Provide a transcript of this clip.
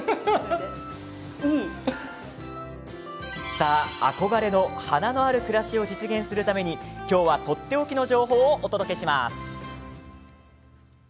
さあ、憧れの花のある暮らしを実現するために今日は、とっておきの情報をお届けします。